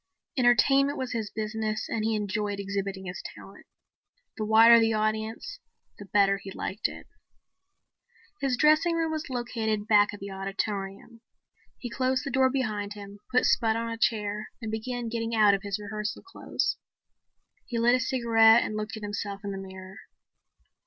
Entertainment was his business and he enjoyed exhibiting his talent. The wider the audience the better he liked it. His dressing room was located back of the auditorium. He closed the door behind him, put Spud on a chair and began getting out of his rehearsal clothes. He lit a cigarette and looked at himself in the mirror.